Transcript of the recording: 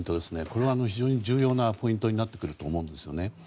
これが非常に重要なポイントになってくると思うんです。